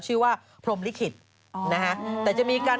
ชื่อว่าพรมลิขิตนะฮะแต่จะมีการ